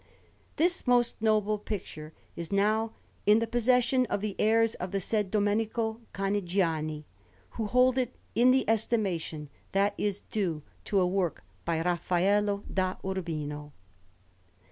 This most noble picture is now in the possession of the heirs of the said Domenico Canigiani, who hold it in the estimation that is due to a work by Raffaello da Urbino.